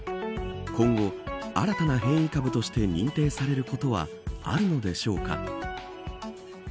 今後、新たな変異株として認定されることはあるのでしょうか。